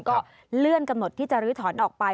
ก็เลื่อนกำหนดที่จะลื้อถอนออกไป